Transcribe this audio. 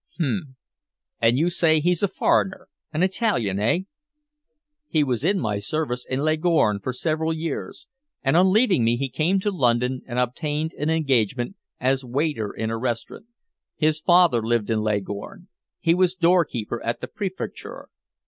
"H'm. And you say he's a foreigner an Italian eh?" "He was in my service in Leghorn for several years, and on leaving me he came to London and obtained an engagement as waiter in a restaurant. His father lived in Leghorn; he was doorkeeper at the Prefecture."